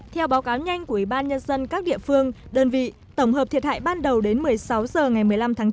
theo báo cáo nhanh của ủy ban nhân dân các địa phương đơn vị tổng hợp thiệt hại ban đầu đến một mươi sáu h ngày một mươi năm tháng chín